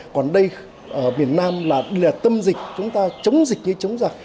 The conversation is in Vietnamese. còn đây ở miền nam là tâm dịch chúng ta chống dịch như chống giặc